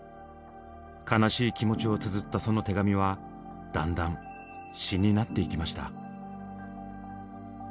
悲しい気持ちをつづったその手紙はだんだん詩になっていきました。